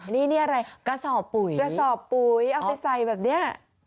นี่อะไรกระสอบปุ๋ยกระสอบปุ๋ยเอาไปใส่แบบนี้